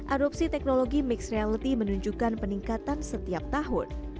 adopsi teknologi mixed reality menunjukkan peningkatan setiap tahun